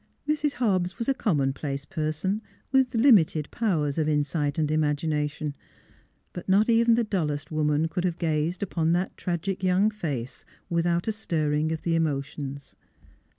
Mrs. Hobbs was a commonplace person, with limited powers of insight and imagination, but not even the dullest woman could have gazed upon that tragic young face without a stirring of the emotions.